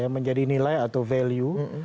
menjadi nilai atau value